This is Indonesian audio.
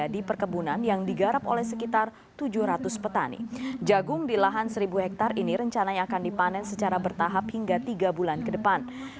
dan dipanen secara bertahap hingga tiga bulan ke depan